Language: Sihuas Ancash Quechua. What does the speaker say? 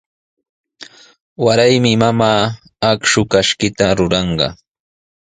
Waraymi mamaa akshu kashkita ruranqa.